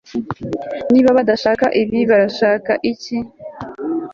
niba badashaka ibi, barashaka iki